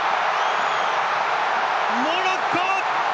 モロッコ！